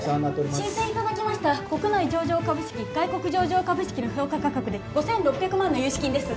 申請いただきました国内上場株式外国上場株式の評価価格で５６００万の融資金です